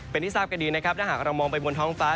เป็นที่ทราบกันดีนะครับถ้าหากเรามองไปบนท้องฟ้า